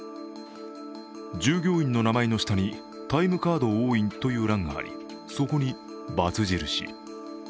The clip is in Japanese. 従業員の名前の下に「タイムカード押印」という欄がありそこに×印。